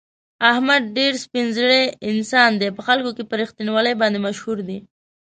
احمد ډېر سپین زړی انسان دی، په خلکو کې په رښتینولي باندې مشهور دی.